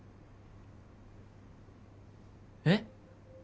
えっ？